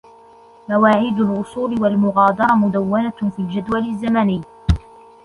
مواعيد الوصول والمغادرة مدونة في الجدول الزمني.